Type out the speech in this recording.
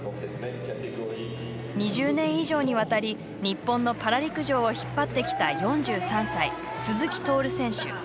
２０年以上にわたり日本のパラ陸上を引っ張ってきた４３歳、鈴木徹選手。